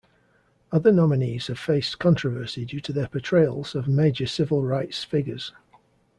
Other nominees have faced controversy due to their portrayals of major civil rights figures.